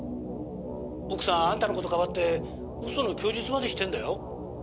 「奥さんあんたの事かばって嘘の供述までしてるんだよ？」